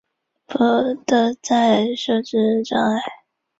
不得再设置障碍